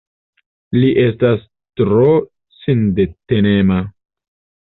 Li estas tro sindetenema.